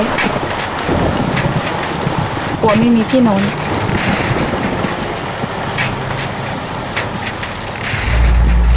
กลัวไม่มีพี่น้อง